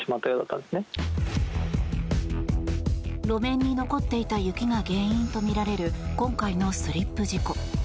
路面に残っていた雪が原因とみられる今回のスリップ事故。